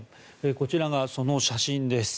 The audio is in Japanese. こちらがその写真です。